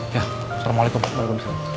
ya seramu lagi pak